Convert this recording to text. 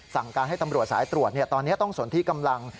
สั่งการให้ตำรวจสายตรวจตอนนี้ต้องสนที่กำลัง